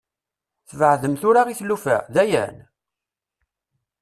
Tbeɛɛdem tura i tlufa, dayen?